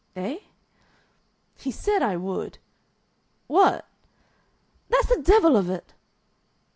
"Eh?" "He said I would." "What?" "That's the devil of it!"